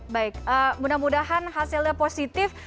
baik mudah mudahan hasilnya positif